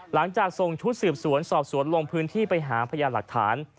หลังจากส่งชุดสืบสวนสอบสวนลงพื้นที่ไปหาพยานหลักฐาน